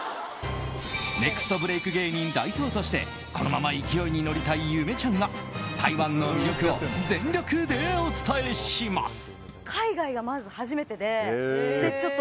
ネクストブレーク芸人代表としてこのまま勢いに乗りたいゆめちゃんが台湾の魅力を全力でお伝えします。